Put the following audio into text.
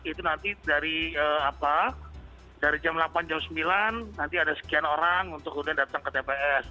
itu nanti dari jam delapan jam sembilan nanti ada sekian orang untuk kemudian datang ke tps